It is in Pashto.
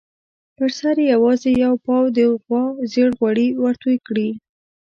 پر سر یې یوازې یو پاو د غوا زېړ غوړي ورتوی کړي.